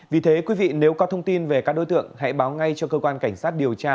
vì thế quý vị nếu có thông tin về các đối tượng hãy báo ngay cho cơ quan cảnh sát điều tra